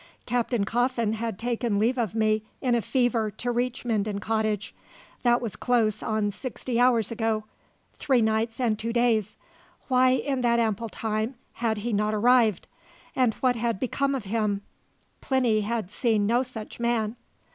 Captain Coffin had taken leave of me in a fever to reach Minden Cottage. That was close on sixty hours ago three nights and two days. Why, in that ample time, had he not arrived, and what had become of him? Plinny had seen no such man.